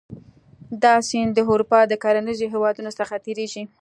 دا سیند د اروپا د کرنیزو هېوادونو څخه تیریږي.